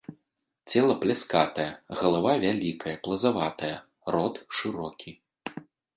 Цела пляскатае, галава вялікая, плазаватая, рот шырокі.